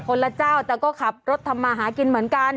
ละเจ้าแต่ก็ขับรถทำมาหากินเหมือนกัน